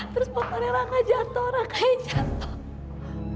terus potongan raka jatuh raka yang jatuh